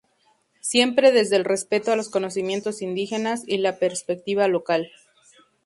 Siempre desde el respeto a los conocimientos indígenas y la perspectiva local.